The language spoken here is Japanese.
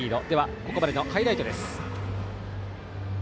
ここまでのハイライトです。